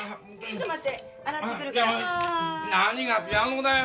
何がピアノだよ。